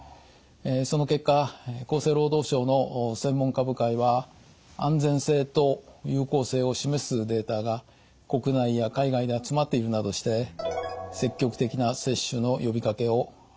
その結果厚生労働省の専門家部会は安全性と有効性を示すデータが国内や海外で集まっているなどしてなるほど。